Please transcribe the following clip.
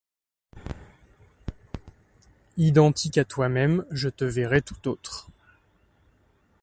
Identique à toi-même, je te verrai tout autre.